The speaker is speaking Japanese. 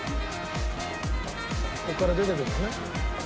ここから出てくるんだよね。